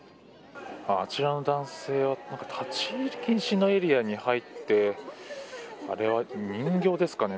あちらの男性は立ち入り禁止のエリアに入ってあれは人形ですかね。